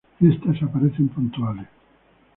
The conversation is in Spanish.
Estas aparecen puntuales.